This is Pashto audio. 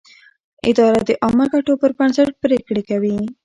اداره د عامه ګټو پر بنسټ پرېکړې کوي.